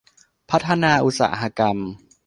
พัฒนาอุตสาหกรรม